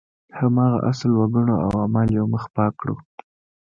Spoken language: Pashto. هماغه اصل وګڼو او اعمال یو مخ پاک کړو.